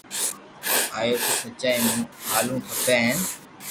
اپو ني سچائي مون ھالووُ کپي ھين